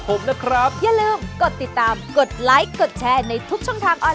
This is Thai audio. สวัสดีค่ะ